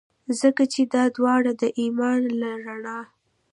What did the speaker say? ځکه چي دا داوړه د ایمان له رڼا.